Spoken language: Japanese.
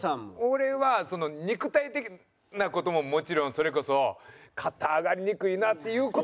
俺はその肉体的な事ももちろんそれこそ肩上がりにくいなっていう事を。